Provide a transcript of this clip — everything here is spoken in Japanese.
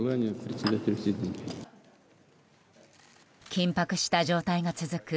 緊迫した状態が続く